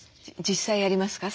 実際ありますか？